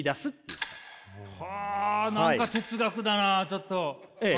はあ何か哲学だなちょっと。